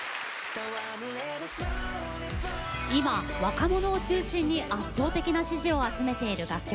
今、若者を中心に圧倒的な支持を集めている楽曲